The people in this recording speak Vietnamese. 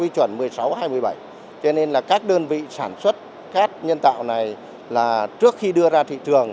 trước nên là các đơn vị sản xuất cát nhân tạo này là trước khi đưa ra thị trường